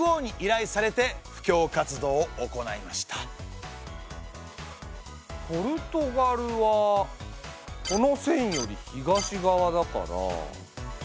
ちなみにポルトガルはこの線より東側だから。